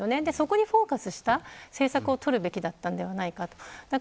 そこにフォーカスした政策を取るべきだったんです。